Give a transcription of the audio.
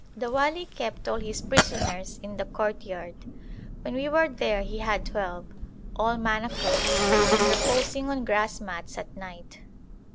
The wali kept all his prisoners in the courtyard. When we were there he had twelve, all manacled, and reposing on grass mats at night.